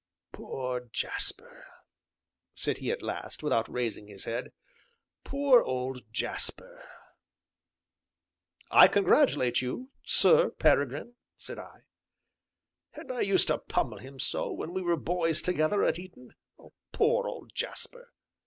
"Poor Jasper!" said he at last, without raising his head, "poor old Jasper!" "I congratulate you, Sir Peregrine," said I. "And I used to pummel him so, when we were boys together at Eton poor old Jasper!"